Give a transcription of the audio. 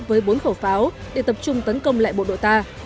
với bốn khẩu pháo để tập trung tấn công lại bộ đội ta